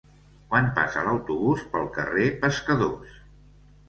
Quan passa l'autobús pel carrer Pescadors?